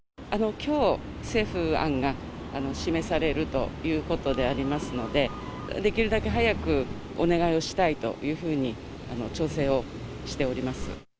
きょう、政府案が示されるということでありますので、できるだけ早くお願いをしたいというふうに、調整をしております。